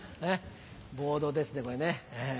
ボードですねこれね。